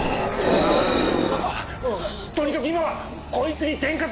・とにかく今はこいつに点火する火を！